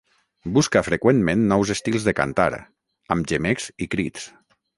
Busca freqüentment nous estils de cantar, amb gemecs i crits.